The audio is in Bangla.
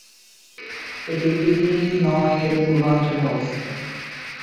এটি ইলিনয়ের পূর্বাঞ্চলে অবস্থিত।